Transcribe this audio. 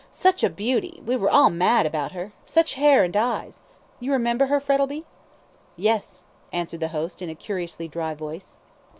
"Such a beauty; we were all mad about her such hair and eyes. You remember her, Frettlby?" "Yes," answered the host, in a curiously dry voice.